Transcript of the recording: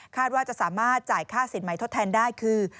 ว่าจะสามารถจ่ายค่าสินใหม่ทดแทนได้คือ